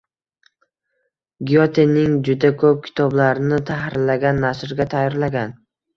Gyotening juda koʻp kitoblarini tahrirlagan, nashrga tayyorlagan